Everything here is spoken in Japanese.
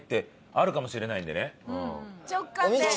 あるかもしれないんでね。